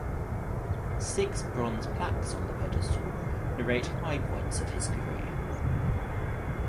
Six bronze plaques on the pedestal narrate high points of his career.